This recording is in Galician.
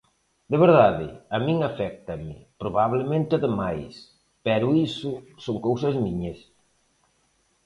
De verdade, a min aféctame, probablemente de máis, pero iso son cousas miñas.